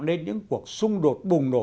nên những cuộc xung đột bùng nổ